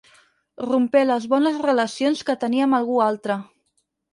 Rompé les bones relacions que tenia amb algú altre.